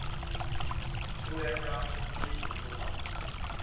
朱元璋遣使通好。